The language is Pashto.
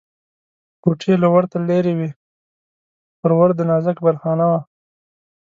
کوټې له ورته لرې وې، پر ور د نازک بالاخانه وه.